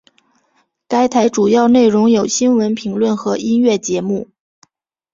该台主要内容有新闻评论和音乐节目。